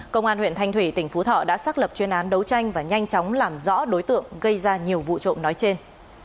công an huyện thanh thủy tỉnh phú thọ đã xác lập chuyên án đấu tranh và nhanh chóng làm rõ đối tượng gây ra nhiều vụ trộm nói trên